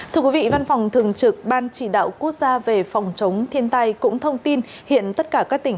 thưa quý vị văn phòng thường trực ban chỉ đạo quốc gia về phòng chống thiên tai cũng thông tin hiện tất cả các tỉnh